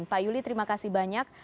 pak yuli terima kasih banyak